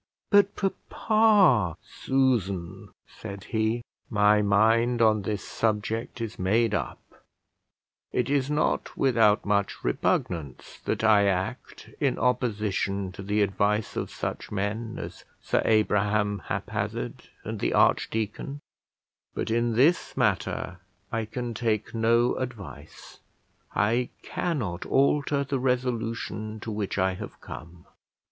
"But, papa " "Susan," said he, "my mind on this subject is made up; it is not without much repugnance that I act in opposition to the advice of such men as Sir Abraham Haphazard and the archdeacon; but in this matter I can take no advice, I cannot alter the resolution to which I have come."